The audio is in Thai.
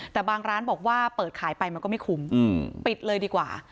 แต่บางร้านบอกว่าเปิดขายไปมันก็ไม่คุ้มปิดเลยดีกว่า